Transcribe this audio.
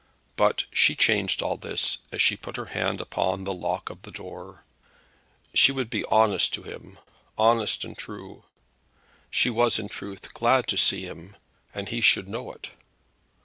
But she changed all this as she put her hand upon the lock of the door. She would be honest to him, honest and true. She was in truth glad to see him, and he should know it.